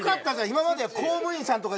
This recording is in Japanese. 今までは公務員さんとか。